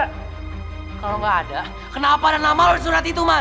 kalo gak ada kenapa ada nama lo di surat itu man